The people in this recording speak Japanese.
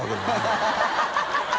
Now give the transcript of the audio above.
ハハハ